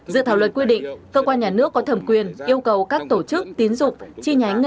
dự thảo luật quyết định cơ quan nhà nước có thẩm quyền yêu cầu các tổ chức tín dụng